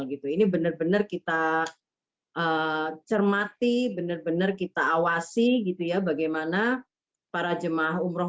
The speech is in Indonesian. gitu ini bener bener kita cermati bener bener kita awasi gitu ya bagaimana para jemaah umroh